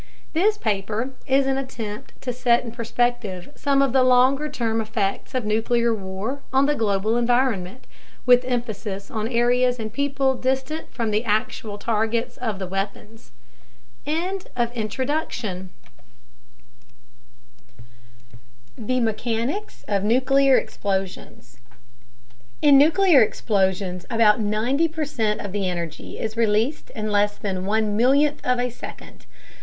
This paper is an attempt to set in perspective some of the longer term effects of nuclear war on the global environment, with emphasis on areas and peoples distant from the actual targets of the weapons. THE MECHANICS OF NUCLEAR EXPLOSIONS In nuclear explosions, about 90 percent of the energy is released in less than one millionth of a second.